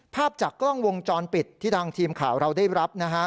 ภาพจากกล้องวงจรปิดที่ทางทีมข่าวเราได้รับนะฮะ